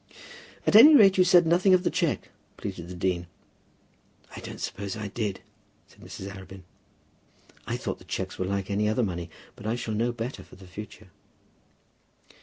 "At any rate you said nothing of the cheque," pleaded the dean. "I don't suppose I did," said Mrs. Arabin. "I thought that cheques were like any other money; but I shall know better for the future."